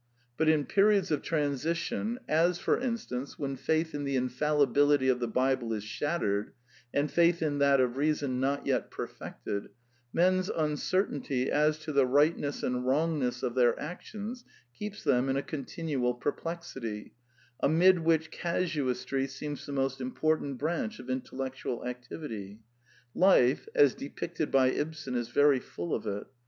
But in periods of transition, as, for in stance, when faith in the infallibility of the Bible is shattered, and faith in that of reason not yet perfected, men's uncertainty as to the rightness and wrongness of their actions keeps them in a continual perplexity, amid which casuistry seems the most important branch of intellectual activity. Life, as depicted by Ibsen, is very full of it.